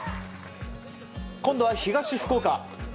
今度は東福岡。